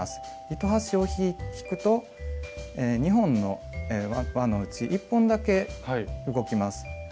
糸端を引くと２本の輪のうち１本だけ動きます。